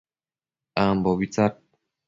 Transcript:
ambobi tsad